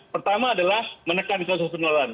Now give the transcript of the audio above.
pertama adalah menekan kesempulan